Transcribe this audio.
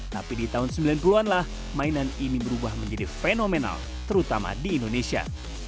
tapi di tahun sembilan puluh an lah mainan ini berubah menjadi fenomenal terutama di indonesia